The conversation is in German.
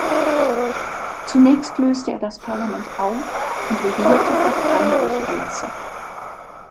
Zunächst löste er das Parlament auf und regierte fortan durch Erlasse.